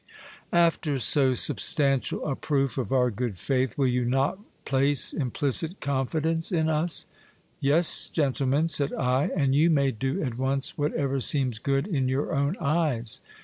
After so substantial a proof of our good faith, will you not place implicit confidence in us ? Yes, gentle men, said I, and you may do at once whatever seems good in your own eyes.